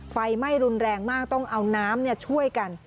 ไฟไหม้รุนแรงมากต้องเอาน้ำช่วยกัน